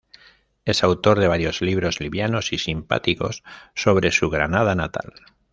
Es autor de varios libros, livianos y simpáticos, sobre su Granada natal.